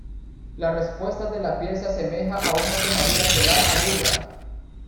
La respuesta de la piel se asemeja a una quemadura solar aguda.